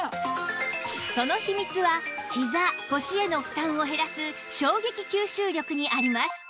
その秘密はひざ腰への負担を減らす衝撃吸収力にあります